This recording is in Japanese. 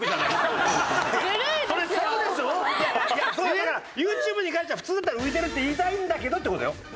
いやだから「ＹｏｕＴｕｂｅ」に関しては普通だったら浮いてるって言いたいんだけどって事よ。